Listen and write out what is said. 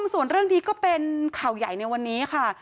ส่วนเรื่องนี้ก็เป็นข่าวใหญ่ในวันนี้ค่ะ